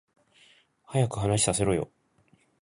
早く話させろよ